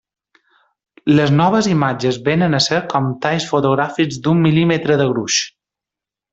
Les noves imatges vénen a ser com talls fotogràfics d'un mil·límetre de gruix.